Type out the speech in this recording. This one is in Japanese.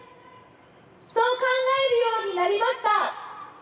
そう考えるようになりました。